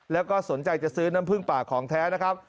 แล้วก็สนใจจะซื้อน้ำผึ้งป่าของแท้นะครับ